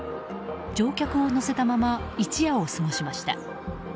乗客を乗せたまま一夜を過ごしました。